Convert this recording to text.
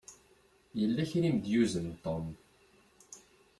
Yella kra i m-d-yuzen Tom.